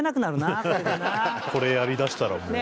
これやりだしたらもう。